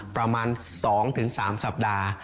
ประมาณ๒๓สัปดาห์